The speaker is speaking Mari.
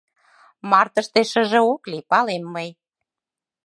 Мартыште шыже ок лий, палем мый.